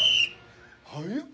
早っ。